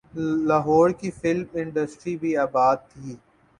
لاہور کی film industry بھی آباد تھی۔